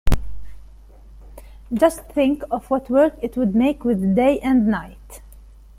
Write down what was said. Just think of what work it would make with the day and night!